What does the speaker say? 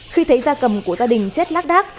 khi thấy da cầm của gia đình chết lác đác